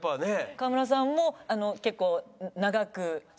川村さんも結構長く知ってる。